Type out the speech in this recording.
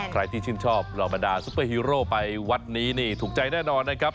ใครที่ชื่นชอบเหล่าบรรดาซุปเปอร์ฮีโร่ไปวัดนี้นี่ถูกใจแน่นอนนะครับ